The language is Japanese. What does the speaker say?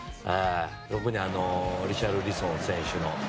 特にリシャルリソン選手。